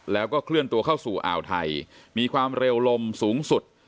แล้วก็เคลื่อนตัวเข้าสู่อ่าวไทยมีความเร็วลมสูงสุด